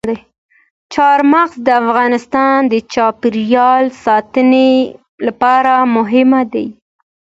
چار مغز د افغانستان د چاپیریال ساتنې لپاره مهم دي.